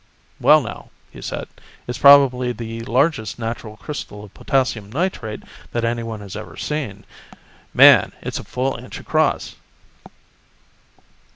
"Well, now," he said, "it's probably the largest natural crystal of potassium nitrate that anyone has ever seen. Man, it's a full inch across."